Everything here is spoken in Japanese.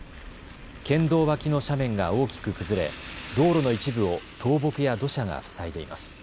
県道脇の斜面が大きく崩れ道路の一部を倒木や土砂が塞いでいます。